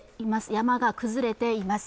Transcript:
山が崩れています。